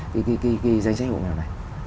cái danh sách hộ nghèo này